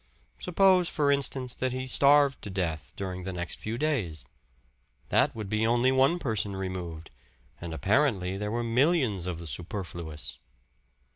Suppose, for instance, that he starved to death during the next few days? That would be only one person removed, and apparently there were millions of the superfluous.